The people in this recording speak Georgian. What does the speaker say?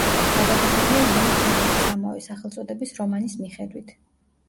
გადაღებულია იენ ფლემინგის ამავე სახელწოდების რომანის მიხედვით.